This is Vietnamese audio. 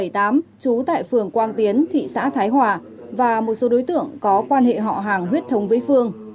trú tại phường quang tiến thị xã thái hòa và một số đối tượng có quan hệ họ hàng huyết thống với phương